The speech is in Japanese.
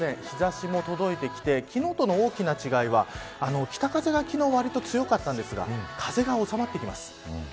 日差しも届いてきて昨日との大きな違いは北風が昨日はわりと強かったんですが風がおさまってきます。